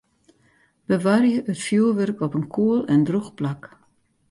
Bewarje it fjoerwurk op in koel en drûch plak.